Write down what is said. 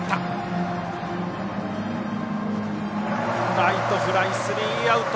ライトフライ、スリーアウト。